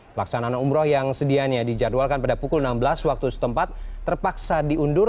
pelaksanaan umroh yang sedianya dijadwalkan pada pukul enam belas waktu setempat terpaksa diundur